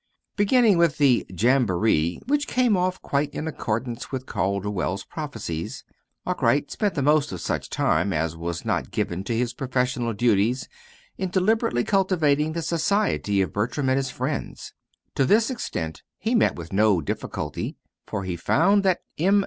Beginning with the "jamboree," which came off quite in accordance with Calderwell's prophecies, Arkwright spent the most of such time as was not given to his professional duties in deliberately cultivating the society of Bertram and his friends. To this extent he met with no difficulty, for he found that M.